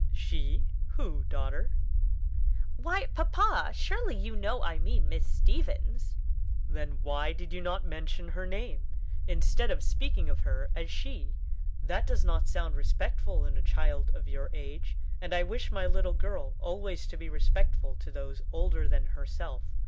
"She? who, daughter?" "Why, papa, surely you know I mean Miss Stevens!" "Then why did you not mention her name, instead of speaking of her as she? That does not sound respectful in a child of your age, and I wish my little girl always to be respectful to those older than herself.